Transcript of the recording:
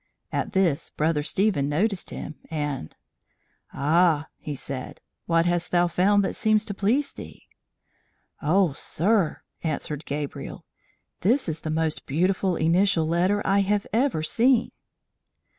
At this Brother Stephen noticed him, and "Ah!" he said, "what hast thou found that seems to please thee?" "Oh, sir," answered Gabriel, "this is the most beautiful initial letter I have ever seen!"